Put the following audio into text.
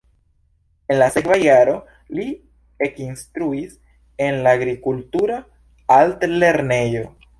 En la sekva jaro li ekinstruis en la agrikultura altlernejo.